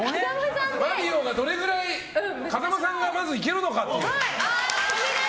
「マリオ」がどれぐらい風間さんがまずいけるのかっていう。